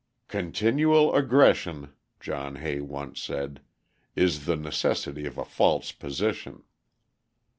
"Continual aggression," John Hay once said, "is the necessity of a false position."